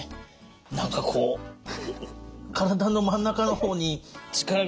何かこう体の真ん中の方に力が入りますね。